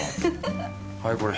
はいこれ。